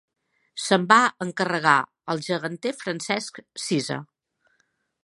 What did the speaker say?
Se'n va encarregar el geganter Francesc Cisa.